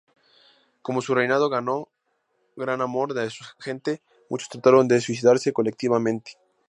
Como su reinado ganó gran amor de su gente, muchos trataron de suicidarse colectivamente.